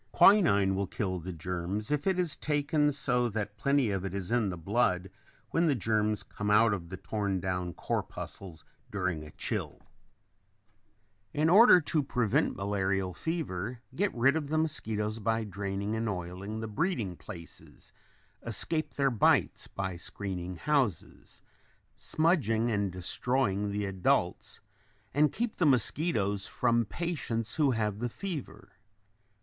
Quinine will kill the germs if it is taken so that plenty of it is in the blood when the germs come out of the torn down corpuscles during a chill. In order to prevent malarial fever, get rid of the mosquitoes by draining and oiling the breeding places, escape their bites by screening houses, smudging and destroying the adults, and keep the mosquitoes from patients who have the fever.